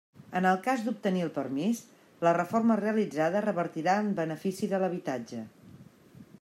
En el cas d'obtenir el permís, la reforma realitzada revertirà en benefici de l'habitatge.